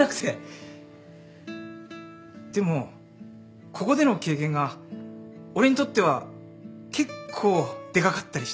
でもここでの経験が俺にとっては結構でかかったりして。